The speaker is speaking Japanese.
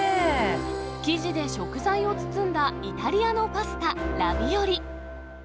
生地で食材を包んだイタリアのパスタ、ラビオリ。